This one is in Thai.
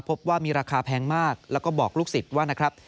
พบว่ามีราคาแพงมากแล้วก็บอกลูกศิษย์ว่านะครับ